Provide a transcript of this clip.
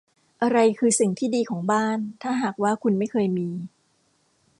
อะไรคือสิ่งที่ดีของบ้าน ถ้าหากว่าคุณไม่เคยมี